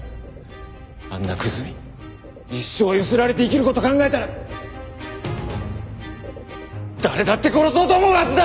あんなクズに一生ゆすられて生きる事を考えたら誰だって殺そうと思うはずだ！